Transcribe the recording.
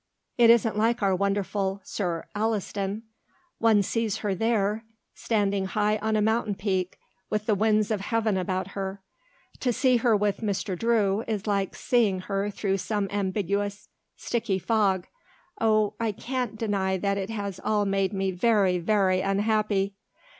It isn't like our wonderful Sir Alliston; one sees her there standing high on a mountain peak with the winds of heaven about her. To see her with Mr. Drew is like seeing her through some ambiguous, sticky fog. Oh, I can't deny that it has all made me very, very unhappy."